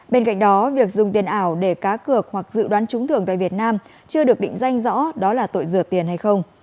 bên cạnh đó việc dùng tiền ảo để cá cược hoặc dự đoán trúng thưởng tại việt nam chưa được định danh rõ đó là tội rửa tiền hay không